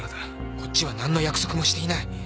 こっちはなんの約束もしていない。